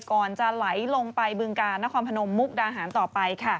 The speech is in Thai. ก่อนจะไหลลงไปบึงกาลนครพนมมุกดาหารต่อไป